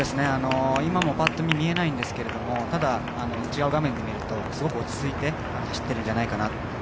今もぱっと見、見えないんですけれども、ただ、違う画面で見るとすごく落ち着いて走ってるんじゃないかなと。